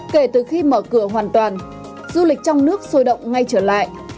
kể từ khi mở cửa hoàn toàn du lịch trong nước sôi động ngay trở lại